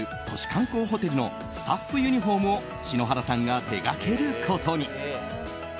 観光ホテルのスタッフユニホームを篠原さんが手がけることに。